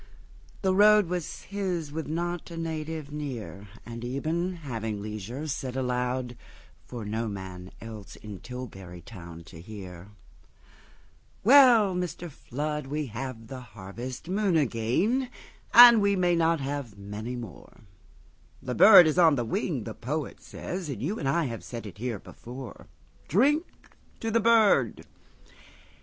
The road was his with not a native near; And Eben, having leisure, said aloud, For no man else in Tilbury Town to hear:"Well, Mr. Flood, we have the harvest moonAgain, and we may not have many more; The bird is on the wing, the poet says, And you and I have said it here before. Drink to the bird."